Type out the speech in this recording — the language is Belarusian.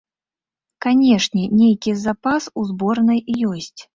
Канечне, нейкі запас у зборнай ёсць.